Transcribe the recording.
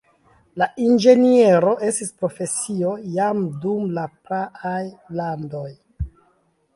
La inĝeniero estis profesio jam dum la praaj landoj.